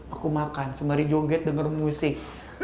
aku makan sembari joget denger musik